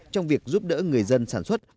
trong việc giúp đỡ người dân sản xuất